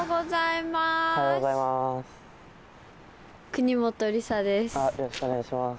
この地でよろしくお願いします。